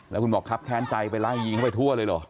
แล้วคุณบอกครับแค้นใจไปไล่ยิงเข้าไปทั่วเลยเหรอ